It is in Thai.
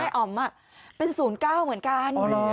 อ๋อมเป็น๐๙เหมือนกัน